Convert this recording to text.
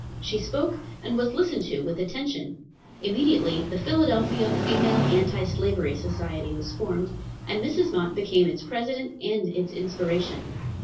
She spoke, and was listened to with attention. Immediately the Philadelphia Female Anti Slavery Society was formed, and Mrs. Mott became its president and its inspiration.